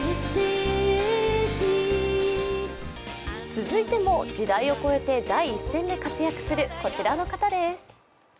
続いても、時代を超えて第一線で活躍するこちらの方です。